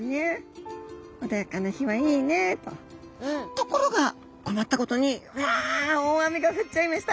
ところが困ったことにうわ大雨が降っちゃいました。